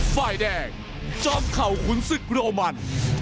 ฝ่ายแดงจอมเข่าขุนศึกโรมัน